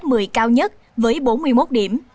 điểm chuẩn lớp một mươi cao nhất với bốn mươi một điểm